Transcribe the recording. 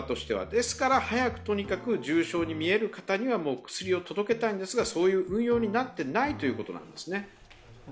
ですから早くとにかく重症に見える方には薬を届けたいんですが、そういう運用になってないというところなんですね。